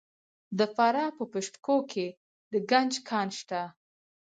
د فراه په پشت کوه کې د ګچ کان شته.